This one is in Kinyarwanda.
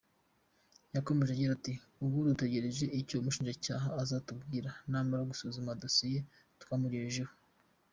Yakomeje agira ati, “Ubu dutugereje icyo umushinjacyaha azatubwira namara gusuzuma dossier twamugejejeho.